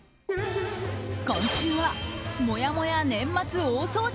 今週はもやもや年末大掃除